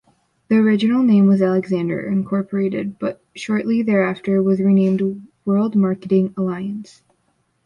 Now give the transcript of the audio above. The original name was Alexander, Incorporated but shortly thereafter was renamed World Marketing Alliance.